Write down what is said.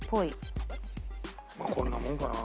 まあこんなもんかな。